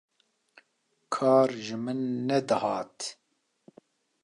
kar ji min nedihat